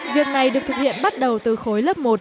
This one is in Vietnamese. việc này được thực hiện bắt đầu từ khối lớp một